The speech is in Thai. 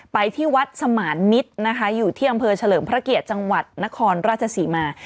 ไปที่วัดสมานมิตรนะคะอยู่ที่อำเภอเฉลิมพระเกียรติจังหวัดนครราชศรีมา